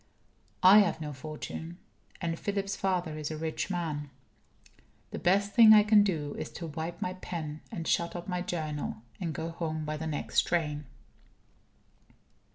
I have no fortune. And Philip's father is a rich man. The best thing I can do is to wipe my pen, and shut up my Journal, and go home by the next train.